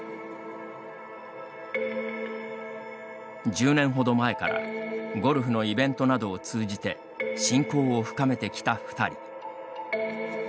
１０年ほど前からゴルフのイベントなどを通じて親交を深めてきた２人。